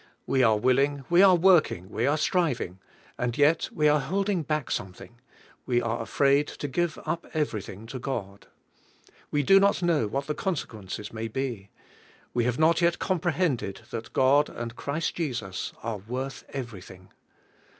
We are willing, we are working, we are striving, and yet we are holding back something; we are afraid to give up everything to God. We do not know • what the consequences maybe. We have not yet JOY IN THE HOLY GHOST 133 comprehended that God and Christ Jesus are worth everything.